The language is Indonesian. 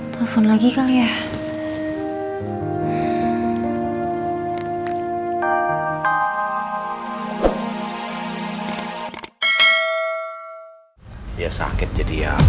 telepon lagi kali ya